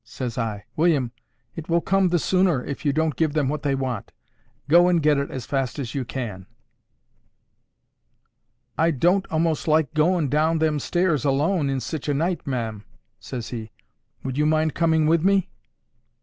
says I, "William, it will come the sooner if you don't give them what they want. Go and get it as fast as you can."—"I don't a'most like goin' down them stairs alone, in sich a night, ma'am," says he. "Would you mind coming with me?"